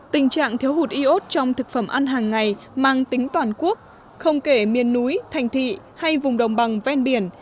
tình trạng thiếu hụt iốt trong thực phẩm ăn hàng ngày mang tính toàn quốc không kể miền núi thành thị hay vùng đồng bằng ven biển